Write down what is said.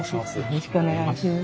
よろしくお願いします。